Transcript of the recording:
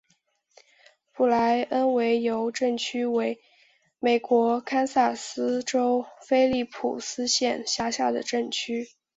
普莱恩维尤镇区为美国堪萨斯州菲利普斯县辖下的镇区。